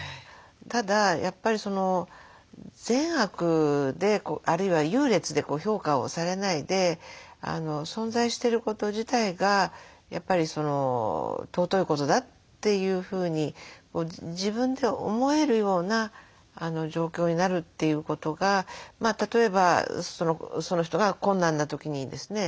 ただやっぱり善悪であるいは優劣で評価をされないで存在してること自体がやっぱり尊いことだというふうに自分で思えるような状況になるということが例えばその人が困難な時にですね